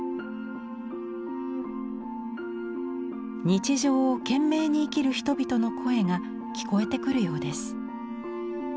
日常を懸命に生きる人々の声が聞こえてくるようです。